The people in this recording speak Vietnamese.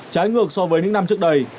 trái ngược so với những năm trước đây